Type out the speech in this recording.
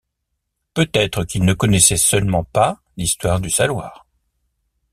Peut-être qu’il ne connaissait seulement pas l’histoire du saloir.